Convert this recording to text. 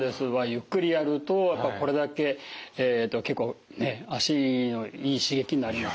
ゆっくりやるとやっぱこれだけ結構ね足のいい刺激になります。